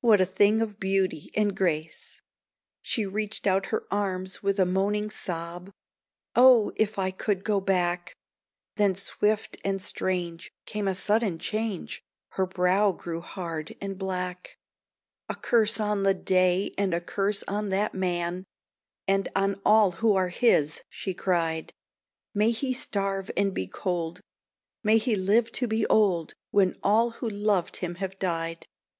What a thing of beauty and grace!" She reached out her arms with a moaning sob: "Oh, if I could go back!" Then, swift and strange, came a sudden change; Her brow grew hard and black. "A curse on the day and a curse on that man, And on all who are his," she cried; "May he starve and be cold, may he live to be old When all who loved him have died."